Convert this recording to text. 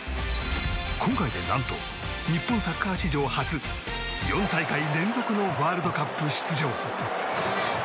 今回で、何と日本サッカー史上初４大会連続のワールドカップ出場。